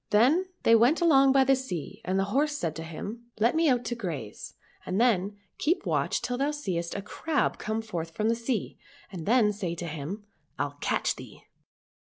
Then they went along by the sea, and the horse said to him, " Let me out to graze, and then keep watch till thou seest a crab come forth from the sea, and then say to him, ' Pll catch thee.'